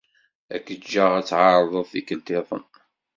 Ad k-ǧǧeɣ ad tɛerḍeḍ tikelt-iḍen.